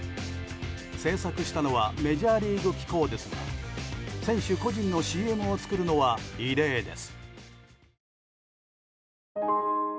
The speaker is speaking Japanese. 制作したのはメジャーリーグ機構ですが選手個人のＣＭを作るのは異例です。